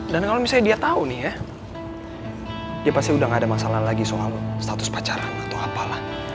dan kalau misalnya dia tahu nih ya dia pasti udah gak ada masalah lagi soal status pacaran atau apalah